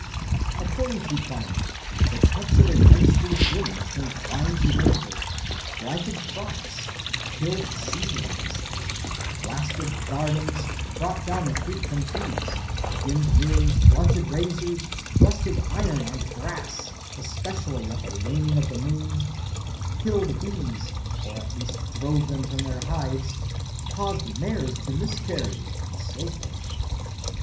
According to Pliny, the touch of a menstruous woman turned wine to vinegar, blighted crops, killed seedlings, blasted gardens, brought down the fruit from trees, dimmed mirrors, blunted razors, rusted iron and brass (especially at the waning of the moon), killed bees, or at least drove them from their hives, caused mares to miscarry, and so forth.